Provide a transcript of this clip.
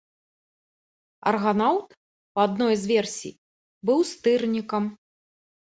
Арганаўт, па адной з версій, быў стырнікам.